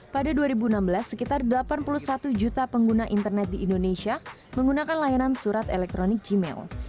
pada dua ribu enam belas sekitar delapan puluh satu juta pengguna internet di indonesia menggunakan layanan surat elektronik gmail